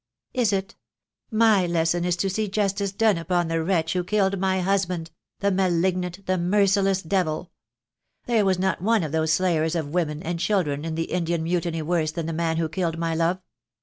"Is it? My lesson is to see justice done upon the wretch who killed my husband — the malignant, the merciless devil. There was not one of those slayers of women and children in the Indian mutiny worse than the man who killed my love.